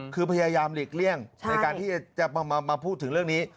คือพยายามหลีกเลี่ยงในการที่จะมาพูดถึงเรื่องนี้